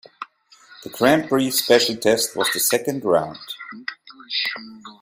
The Grand Prix Special Test was the second round.